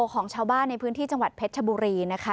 ของชาวบ้านในพื้นที่จังหวัดเพชรชบุรีนะคะ